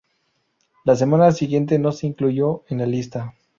La semana siguiente no se incluyó en la lista.